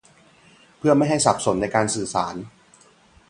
เพื่อไม่ให้สับสนในการสื่อสาร